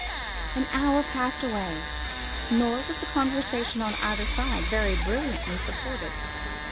An hour passed away, nor was the conversation on either side very brilliantly supported.